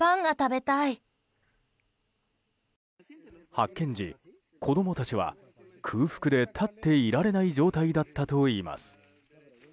発見時、子供たちは空腹で立っていられない状態だったといいます。